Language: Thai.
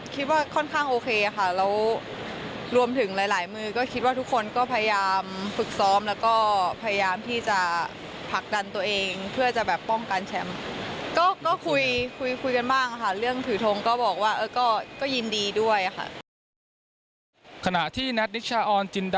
ขณะที่นัทนิชชาออนจินดาพอร์น